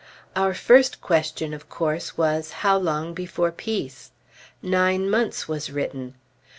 Our first question, of course, was, How long before Peace? Nine months was written.